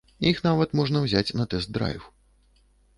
Іх нават можна ўзяць на тэст-драйв.